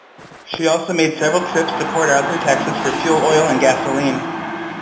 She also made several trips to Port Arthur, Texas, for fuel oil and gasoline.